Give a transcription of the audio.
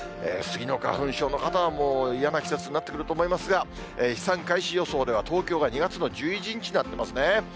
スギの花粉症の方は、もう、嫌な季節になってくると思いますが、飛散開始予想では東京が２月の１１日になってますね。